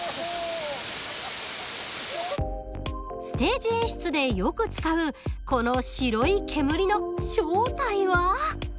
ステージ演出でよく使うこの白い煙の正体は？